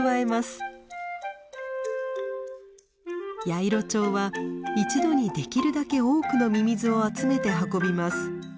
ヤイロチョウは一度にできるだけ多くのミミズを集めて運びます。